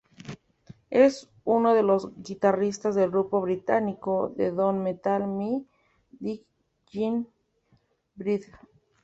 Es uno de los guitarristas del grupo británico de doom metal, My Dying Bride.